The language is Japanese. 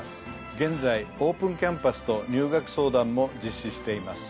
現在オープンキャンパスと入学相談も実施しています。